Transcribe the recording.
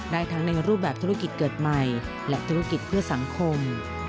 ได้ทั้งในรูปแบบธุรกิจเกิดใหม่และธุรกิจเพื่อสังคม